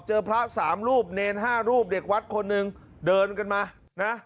พระสามรูปเนร๕รูปเด็กวัดคนหนึ่งเดินกันมานะ